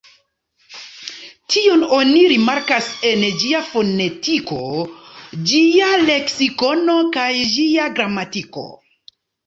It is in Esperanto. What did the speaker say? Tion oni rimarkas en ĝia fonetiko, ĝia leksikono kaj ĝia gramatiko.